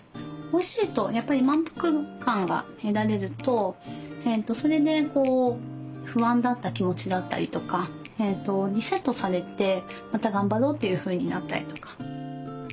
おいしいとやっぱり満腹感が得られるとそれで不安だった気持ちだったりとかリセットされてまた頑張ろうっていうふうになったりとか。